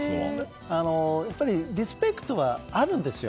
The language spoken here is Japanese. やはりリスペクトはあるんですよ。